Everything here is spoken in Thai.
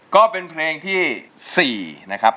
ก็เป็นเพลงที่๔นะครับ